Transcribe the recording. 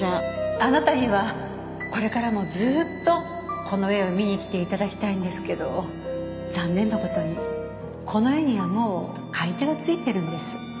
あなたにはこれからもずっとこの絵を見にきていただきたいんですけど残念な事にこの絵にはもう買い手が付いてるんです。